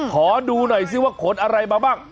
ขอดูหน่อยซิว่าขนอะไรมาบ้าง